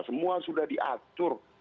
semua sudah diatur